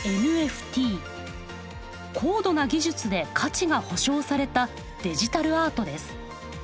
高度な技術で価値が保証されたデジタルアートです。